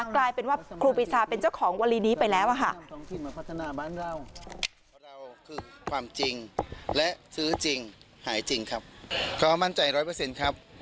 กลายเป็นว่าครูปีชาเป็นเจ้าของวลีนี้ไปแล้วค่ะ